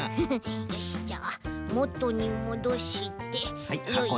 よしじゃあもとにもどしてよいしょっと。